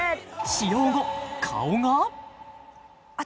使用後顔が私